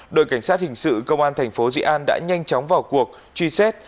đội cảnh sát hình sự công an thành phố dị an đã nhanh chóng vào cuộc truy xét